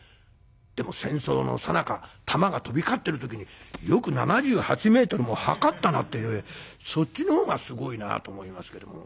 でも戦争のさなか弾が飛び交ってる時によく７８メートルも測ったなってそっちの方がすごいなと思いますけども。